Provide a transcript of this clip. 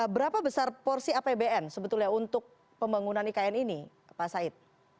berapa besar porsi apbn sebetulnya untuk pembangunan ikn ini pak said